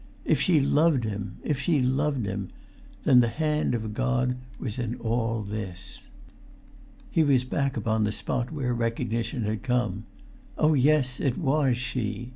If she loved him—if she loved him—then the hand of God was in all this. He was back upon the spot where recognition had come. Oh, yes, it was she!